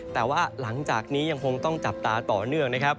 แต่ว่าหลังจากนี้ยังคงต้องจับตาต่อเนื่องนะครับ